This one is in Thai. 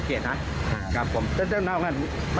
และนับมาตรงนี้เป็นเธอไร